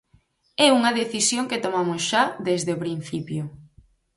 É unha decisión que tomamos xa desde o principio.